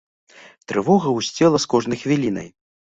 Трывога гусцела з кожнай хвілінай.